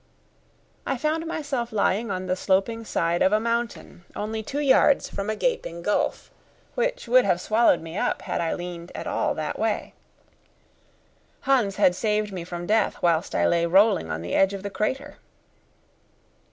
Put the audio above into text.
I found myself lying on the sloping side of a mountain only two yards from a gaping gulf, which would have swallowed me up had I leaned at all that way. Hans had saved me from death whilst I lay rolling on the edge of the crater.